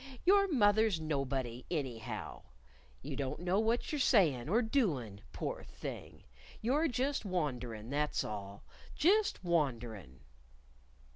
Your mother's nobody, anyhow.... You don't know what you're sayin' or doin', poor thing! You're just wanderin', that's all just wanderin'."